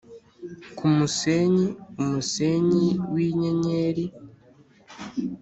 kumusenyi, umusenyi winyenyeri